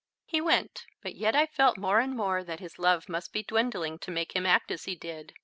He went. But yet I felt more and more that his love must be dwindling to make him act as he did.